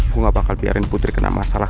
gue gak bakal biarin putri kena masalah